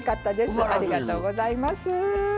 ありがとうございます。